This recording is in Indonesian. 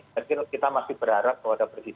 saya pikir kita masih berharap kalau ada presiden